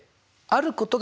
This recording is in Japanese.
あること？